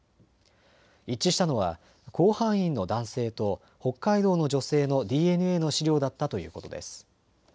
一致したのは甲板員の男性と北海道の女性のＤＮＡの資料だったということです。